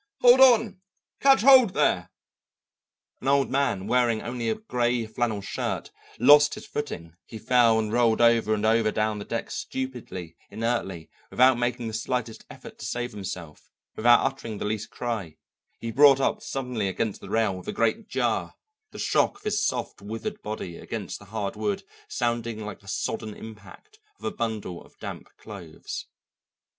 hold on! catch hold there!" An old man, wearing only a gray flannel shirt, lost his footing; he fell, and rolled over and over down the deck stupidly, inertly, without making the slightest effort to save himself, without uttering the least cry; he brought up suddenly against the rail, with a great jar, the shock of his soft, withered body against the hard wood sounding like the sodden impact of a bundle of damp clothes.